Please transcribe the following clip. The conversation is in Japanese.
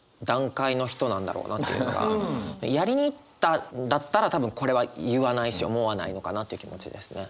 やりにいったんだったら多分これは言わないし思わないのかなという気持ちですね。